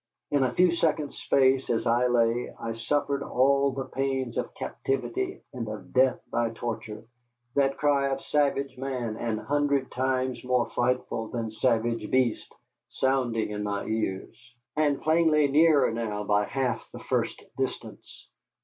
In a few seconds' space as I lay I suffered all the pains of captivity and of death by torture, that cry of savage man an hundred times more frightful than savage beast sounding in my ears, and plainly nearer now by half the first distance.